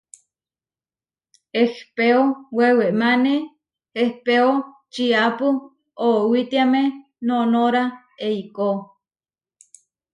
Ehpéo wewemáne ehpéo čiápu oʼowitiáme noʼnóra eikó.